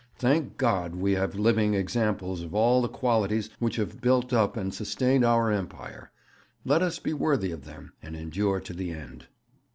Thank God, we have living examples of all the qualities which have built up and sustained our Empire. Let us be worthy of them, and endure to the end.'